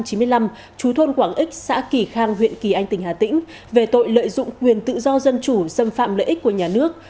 chú thôn quảng ích xã kỳ khang huyện kỳ anh tỉnh hà tĩnh về tội lợi dụng quyền tự do dân chủ xâm phạm lợi ích của nhà nước